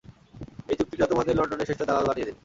এই চুক্তিটা তোমাদের লন্ডনের শ্রেষ্ঠ দালাল বানিয়ে দিবে।